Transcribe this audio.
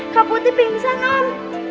kak putih pingsan om